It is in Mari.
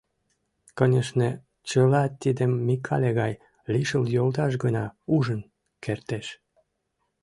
Конешне, чыла тидым Микале гай лишыл йолташ гына ужын кертеш.